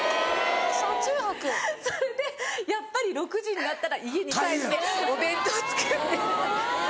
・車中泊・それでやっぱり６時になったら家に帰ってお弁当作って。